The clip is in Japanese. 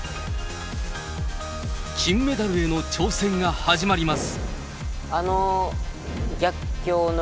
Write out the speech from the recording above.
金メダルへの挑戦が始まります。